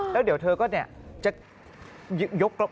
แล้วเดี๋ยวเธอก็จะยก